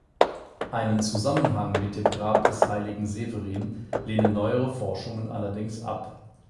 Einen Zusammenhang mit dem Grab des heiligen Severin lehnen neuere Forschungen allerdings ab.